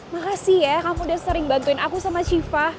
makasih ya kamu udah sering bantuin aku sama syifa